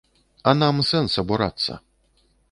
А нам сэнс абурацца?